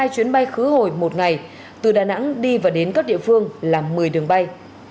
hai chuyến bay khứ hồi một ngày từ đà nẵng đi và đến các địa phương là một mươi đường bay